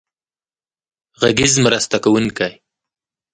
غږیز مرسته کوونکی.